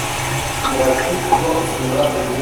Iras-tu, toi, au cinéma après dîner ?